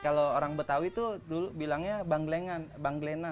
kalau orang betawi itu dulu bilangnya banggelenan